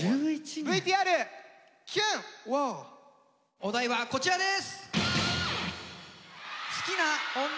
お題はこちらです！